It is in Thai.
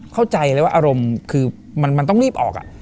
เข้าใจเลยว่าอารมณ์คือมันต้องรีบออก